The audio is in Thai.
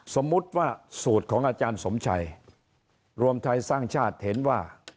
สมมุติว่าสูตรของอาจารย์สมชัยรวมไทยสร้างชาติเห็นว่า